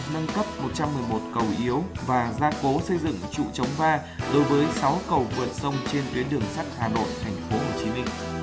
nâng cấp một trăm một mươi một cầu yếu và gia cố xây dựng trụ chống va đối với sáu cầu vượt sông trên tuyến đường sắt hà nội tp hcm